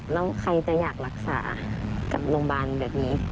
แล้วใครจะอยากรักษากับโรงพยาบาลแบบนี้